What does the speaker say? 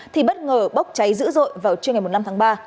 thì bất ngờ bốc cháy dữ dội vào trưa ngày năm tháng ba